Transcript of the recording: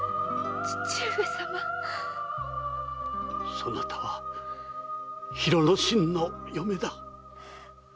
そなたは広之進の嫁だ。